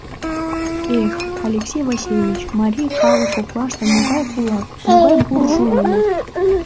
Эх, Алексей Васильевич, марий калык коклаште могай кулак, могай буржуй уло?